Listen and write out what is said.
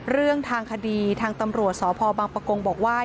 เรื่องทางคดีทางตำรวจสพบังปะกงบอกว่า